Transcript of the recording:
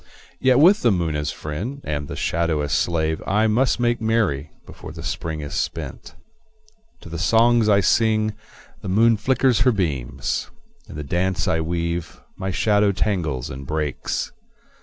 Yet with the moon as friend and the shadow as slave I must make merry before the Spring is spent. To the songs I sing the moon flickers her beams; In the dance I weave my shadow tangles and breaks.